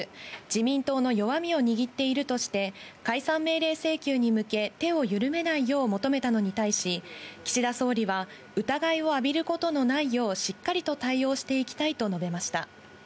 自民党の弱みを握っているとして、解散命令請求に向け、手を緩めないよう求めたのに対し、岸田総理は、疑いを浴びることのないよう、しっかりと対応していきたいと述べました。